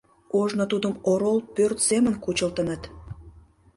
Ожно тудым орол пӧрт семын кучылтыныт.